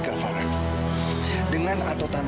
akting dua puluh delapan tahun